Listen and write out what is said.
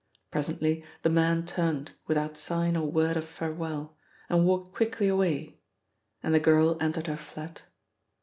Presently the man turned without sign or word of farewell, and walked quickly away and the girl entered her flat.